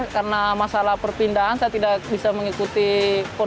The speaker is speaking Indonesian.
karena masalah perpindahan saya tidak bisa mengikuti pon dua ribu dua belas